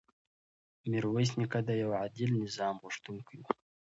میرویس نیکه د یو عادل نظام غوښتونکی و.